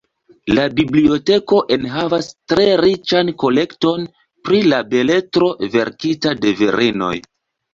La biblioteko enhavas tre riĉan kolekton pri la beletro verkita de virinoj.